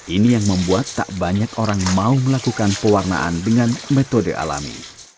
ini yang membuat tak banyak orang mau melakukan pewarnaan dengan metode alami